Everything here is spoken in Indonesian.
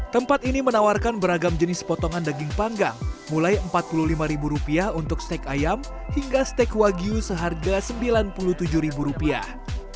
tempat ini menawarkan beragam jenis potongan daging panggang mulai empat puluh lima rupiah untuk steak ayam hingga steak wagyu seharga sembilan puluh tujuh ribu rupiah